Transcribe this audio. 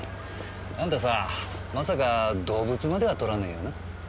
あんたさぁまさか動物までは盗らねえよな？